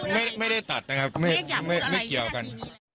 ไม่ได้ตัดนะครับไม่เกี่ยวกัน